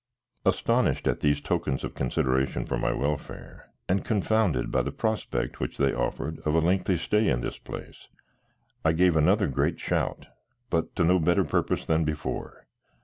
Astonished at these tokens of consideration for my welfare, and confounded by the prospect which they offered of a lengthy stay in this place, I gave another great shout; but to no better purpose than before.